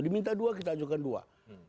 diminta dua kita ajukan dua